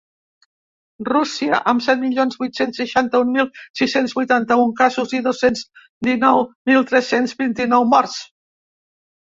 Rússia, amb set milions vuit-cents seixanta-un mil sis-cents vuitanta-un casos i dos-cents dinou mil tres-cents vint-i-nou morts.